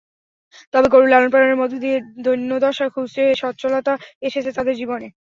তবে গরু লালন-পালনের মধ্যে দিয়ে দৈন্যদশা ঘুচে সচ্ছলতা এসেছে তাদের জীবনে।